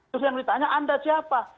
terus yang ditanya anda siapa